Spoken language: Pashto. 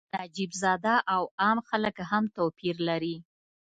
نجیب زاده او عام خلک هم توپیر لري.